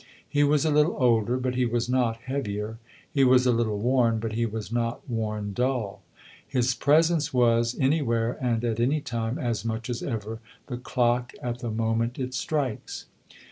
He was a little older, but he was not heavier ; he was a little worn, but he was not worn dull. His presence was, anywhere and at any time, as much as ever the clock at the moment it strikes.